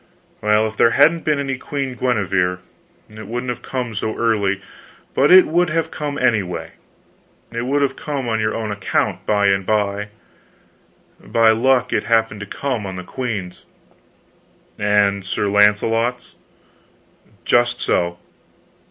"Well, if there hadn't been any Queen Guenever, it wouldn't have come so early; but it would have come, anyway. It would have come on your own account by and by; by luck, it happened to come on the queen's." "And Sir Launcelot's?" "Just so."